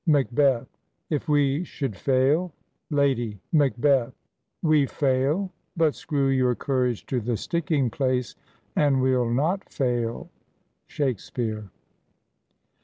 MACBETH. "If we should fail!" LADY MACBETH. "We fail! But screw your courage to the sticking place, And we'll not fail." SHAKESPEARE.